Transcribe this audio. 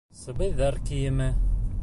Сабыйҙар кейеме.